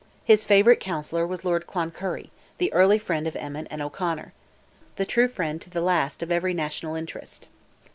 His favourite counsellor was Lord Cloncurry, the early friend of Emmet and O'Conor; the true friend to the last of every national interest.